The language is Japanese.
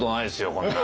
こんな。